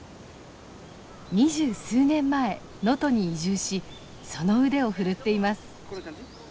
二十数年前能登に移住しその腕を振るっています。